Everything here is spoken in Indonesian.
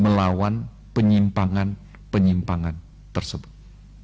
melawan penyimpangan penyimpangan tersebut